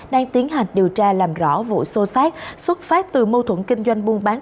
đang tiến hành điều tra làm rõ vụ xô xát xuất phát từ mâu thuẫn kinh doanh buôn bán